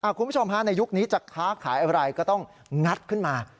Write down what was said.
คุณผู้ชมฮะในยุคนี้จะค้าขายอะไรก็ต้องงัดขึ้นมา